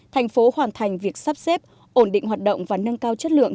thành phố hoàn thành việc sắp xếp ổn định hoạt động và nâng cao chất lượng